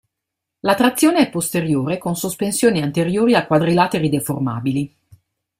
La trazione è posteriore con sospensioni anteriori a quadrilateri deformabili.